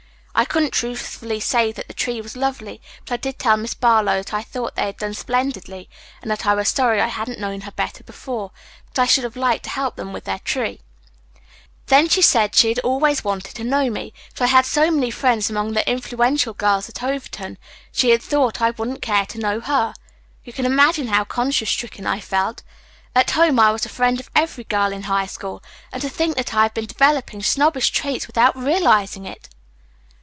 I couldn't truthfully say that the tree was lovely, but I did tell Miss Barlow that I thought they had done splendidly and that I was sorry I hadn't known her better before, because I should have liked to help them with their tree. "Then she said she had always wanted to know me, but I had so many friends among the influential girls at Overton she had thought I wouldn't care to know her. You can imagine how conscience stricken I felt. At home I was the friend of every girl in high school, and to think that I have been developing snobbish traits without realizing it!"